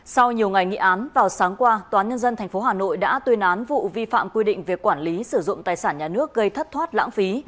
sau nhiều ngày nghị án vào sáng qua tnth hà nội đã tuyên án vụ vi phạm quy định việc quản lý sử dụng tài sản nhà nước gây thất thoát lãng phí